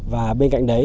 và bên cạnh đấy